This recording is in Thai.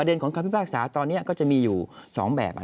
ของคำพิพากษาตอนนี้ก็จะมีอยู่๒แบบ